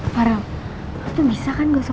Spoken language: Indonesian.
mereka gua kita n debut banget kan